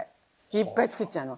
いっぱい作っちゃうの。